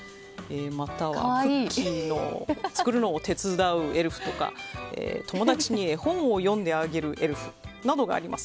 またクッキー作りを手伝うエルフとか友達に絵本を読んであげるエルフなどがあります。